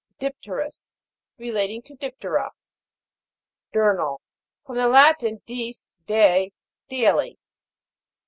DIP'TEROUS. Relating to Dip'tera. DIUR'NAL. From the Latin, dies day. Daily.